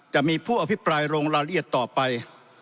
จะมีผู้อภิปรายลงรายละเอียดต่อไป